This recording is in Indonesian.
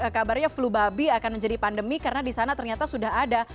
kabarnya flu babi akan menjadi pandemi karena di sana ternyata sudah ada